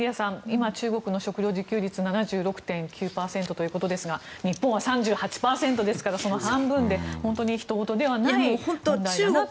今、中国の食料自給率７６．９％ということですが日本は３８％ですからその半分で本当にひと事ではない問題だなと思います。